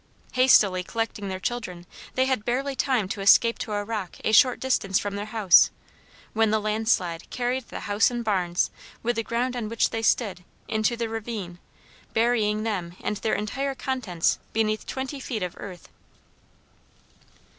Hastily collecting their children, they had barely time to escape to a rock a short distance from their house, when the landslide carried the house and barns, with the ground on which they stood, into the ravine, burying them and their entire contents beneath twenty feet of earth.